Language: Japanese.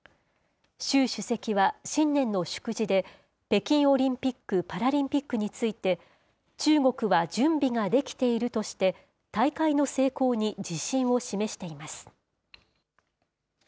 習主席は新年の祝辞で、北京オリンピック・パラリンピックについて、中国は準備ができているとして、大会の成功に自信を示しています。